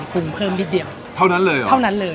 คุมเพิ่มนิดเดียวเท่านั้นเลยเหรอเท่านั้นเลย